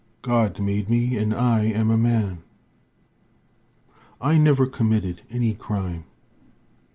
God made me, and I am a man. I never committed any crime.